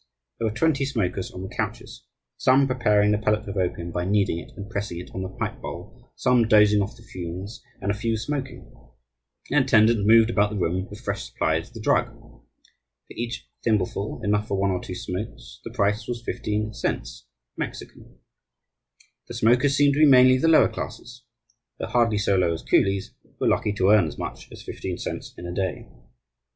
There were twenty smokers on the couches, some preparing the pellet of opium by kneading it and pressing it on the pipe bowl, some dozing off the fumes, and a few smoking. An attendant moved about the room with fresh supplies of the drug. For each thimbleful, enough for one or two smokes, the price was fifteen cents (Mexican). The smokers seemed to be mainly of the lower classes; though hardly so low as coolies, who are lucky to earn as much as fifteen cents in a day.